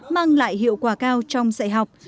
mang lại hiệu quả cao trong dạy học